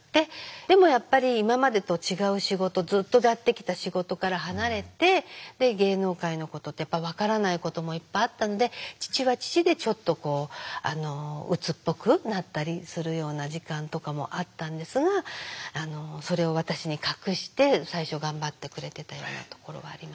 でもやっぱり今までと違う仕事ずっとやってきた仕事から離れて芸能界のことってやっぱり分からないこともいっぱいあったので父は父でちょっとこううつっぽくなったりするような時間とかもあったんですがそれを私に隠して最初頑張ってくれてたようなところはありました。